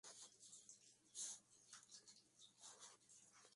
Individuo solitario o en pequeños grupos.